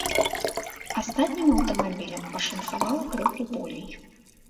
Астатнім аўтамабілям пашанцавала крыху болей.